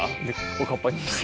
おかっぱにして。